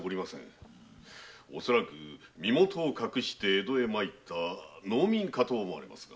恐らく身もとを隠して江戸へ参った農民かと思われますが。